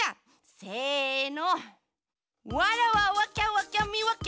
せの！